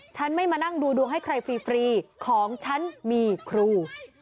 ฉันไม่มานั่งดูดวงให้ใครฟรีของฉันมีครู